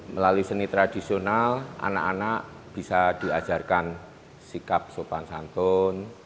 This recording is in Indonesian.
melalui seni tradisional anak anak bisa diajarkan sikap sopan santun